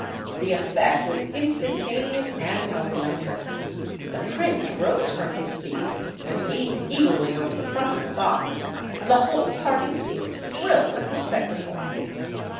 The effect was instantaneous and electric. The prince rose from his seat and leaned eagerly over the front of the box, and the whole party seemed thrilled at the spectacle.